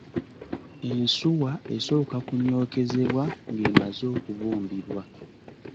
Ensuwa esooka kunyokezebwa ng’emazze okubumbibwa.